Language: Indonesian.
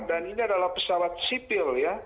dan ini adalah pesawat sipil ya